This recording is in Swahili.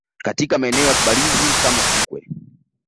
katika maeneo ya kubarizi kama fukwe